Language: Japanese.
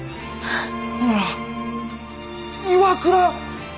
ほなら岩倉さん？